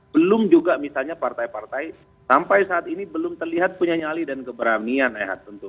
belum juga misalnya partai partai sampai saat ini belum terlihat punya nyali dan keberanian rehat tentu